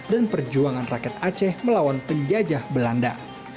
perjuangan rakyat aceh melawan penjajah belanda